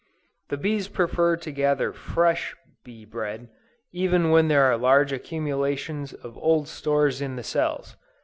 The bees prefer to gather fresh bee bread, even when there are large accumulations of old stores in the cells.